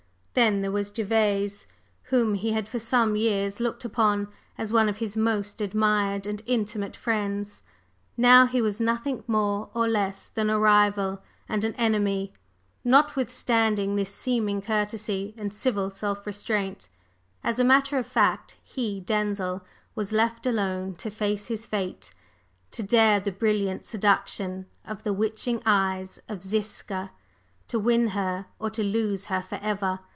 Then there was Gervase, whom he had for some years looked upon as one of his most admired and intimate friends; now he was nothing more or less than a rival and an enemy, notwithstanding his seeming courtesy and civil self restraint. As a matter of fact, he, Denzil, was left alone to face his fate: to dare the brilliant seduction of the witching eyes of Ziska, to win her or to lose her forever!